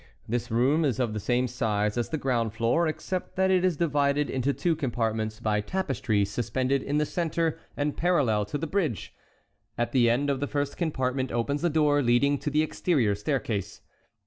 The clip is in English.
This room is of the same size as the ground floor, except that it is divided into two compartments by tapestry suspended in the centre and parallel to the bridge. At the end of the first compartment opens the door leading to the exterior staircase.